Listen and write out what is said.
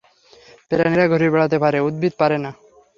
প্রাণীরা ঘুরে বেড়াতে পারে, উদ্ভিদ পারে না।